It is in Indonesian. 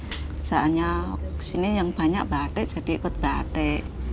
sebenarnya di sini yang banyak batik jadi ikut batik